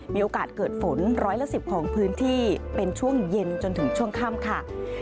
มีโอกาสเกิดฝนร้อยละ๑๐ของพื้นที่เป็นช่วงเย็นจนถึงช่วงค่ำค่ะ